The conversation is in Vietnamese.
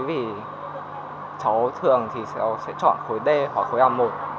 vì cháu thường thì cháu sẽ chọn khối d hoặc khối a một